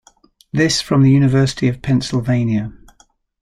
This from the University of Pennsylvania.